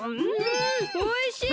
んおいしい！